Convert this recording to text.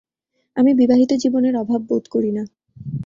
আমি বিবাহিত জীবনের অভাব বোধ করি না।